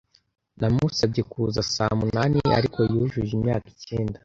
Namusabye kuza saa munani, ariko yujuje imyaka icyenda.